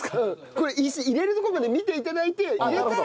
これ入れるとこまで見て頂いて入れたら。